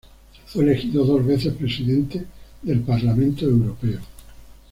Fue elegido dos veces presidente del Parlamento Europeo.